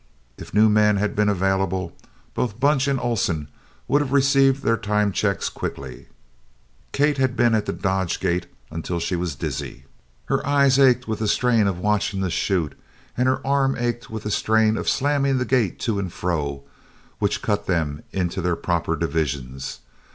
If new men had been available, both Bunch and Oleson would have received their time checks quickly. Kate had been at the "dodge gate" until she was dizzy. Her eyes ached with the strain of watching the chute and her arm ached with the strain of slamming the gate to and fro, which cut them into their proper divisions.